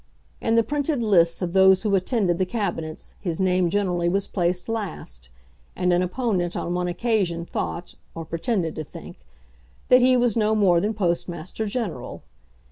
In the printed lists of those who attended the Cabinets his name generally was placed last, and an opponent on one occasion thought, or pretended to think, that he was no more than Postmaster General.